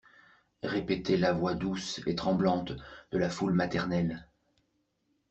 Répétait la voix douce et tremblante de la foule maternelle.